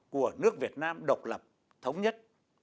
của nước việt nam độc lập thống nhất